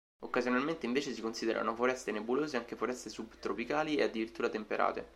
Occasionalmente, invece, si considerano foreste nebulose anche foreste subtropicali e addirittura temperate.